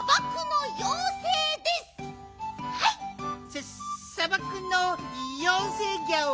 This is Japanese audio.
ささばくのようせいギャオ。